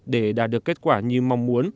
để đạt được kết quả như mong muốn